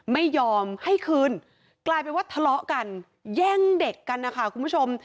ไม่ยอมให้คืนกลายเป็นว่าทะเลาะกันแย่งเด็กกันนะคะคุณผู้ชม